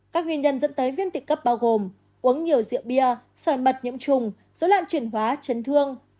các nguyên nhân dẫn tới viêm tự cấp bao gồm uống nhiều rượu bia sòi mật nhẫm trùng dối loạn chuyển hóa chấn thương